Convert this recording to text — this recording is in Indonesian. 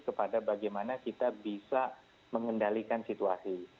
kepada bagaimana kita bisa mengendalikan situasi